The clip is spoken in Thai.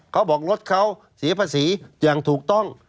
เขาบอกรถเขาเสียภาษีอย่างถูกต้อง